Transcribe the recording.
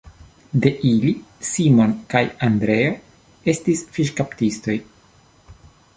De ili Simon kaj Andreo estis fiŝkaptistoj.